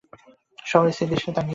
সবাই স্থির দৃষ্টিতে তাকিয়ে আছে।